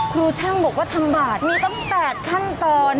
ครูช่างบอกว่าทำบาทมีตั้ง๘ขั้นตอน